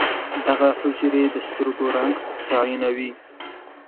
دغه حجرې د سترګو رنګ تعیینوي.